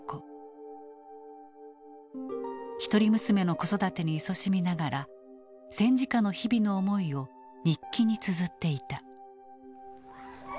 一人娘の子育てにいそしみながら戦時下の日々の思いを日記につづっていた。